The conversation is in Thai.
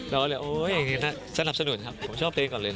เราก็เลยโอ๊ยอย่างนี้สนับสนุนครับผมชอบตัวเองก่อนเลย